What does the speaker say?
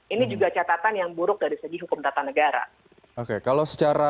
ini juga catatan yang buruk dari segi hukum tata negara